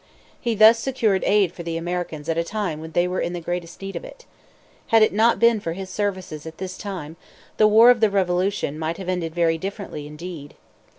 He thus secured aid for the Americans at a time when they were in the greatest need of it. Had it not been for his services at this time, the war of the Revolution might have ended very differently, indeed.